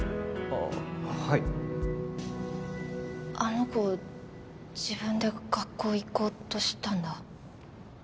あはいあの子自分で学校行こうとしたんだ